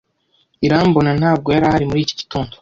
Irambona ntabwo yari ahari muri iki gitondo.